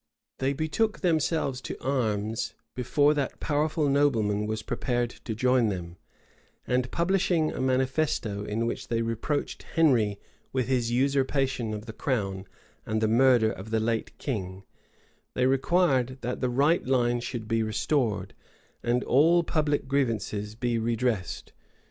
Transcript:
They betook themselves to arms before that powerful nobleman was prepared to join them; and publishing a manifesto, in which they reproached Henry with his usurpation of the crown and the murder of the late king, they required that the right line should be restored, and all public grievances be redressed.